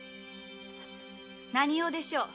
何用でしょう。